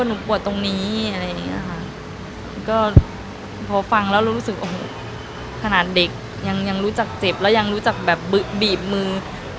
หนูปวดตรงนี้พอฟังแล้วเรารู้สึกขนาดเด็กยังรู้จักเจ็บแล้วยังรู้จักแบบบีบมือ